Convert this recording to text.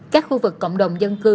các khu vực cộng đồng dân cư